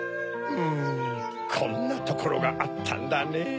うんこんなところがあったんだねぇ。